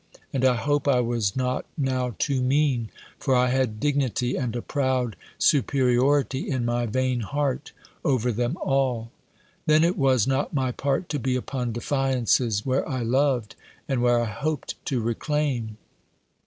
And I hope I was not now too mean; for I had dignity and a proud superiority in my vain heart, over them all. Then it was not my part to be upon defiances, where I loved, and where I hoped to reclaim.